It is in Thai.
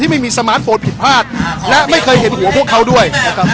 ไม่มีสมาร์ทโฟนผิดพลาดและไม่เคยเห็นหัวพวกเขาด้วยนะครับ